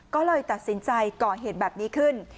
ก็เลยตัดสินใจก่อเหตุแบบนี้ขึ้น